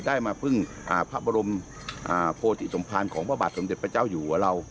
ได้มาพึ่งพระบรมโพธิสมภารของพระบาทสมเด็จพระเจ้าอยู่หัวเรา